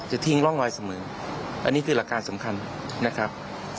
ทิ้งร่องรอยเสมออันนี้คือหลักการสำคัญนะครับ